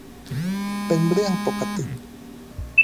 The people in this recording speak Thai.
เป็นเรื่องปกติ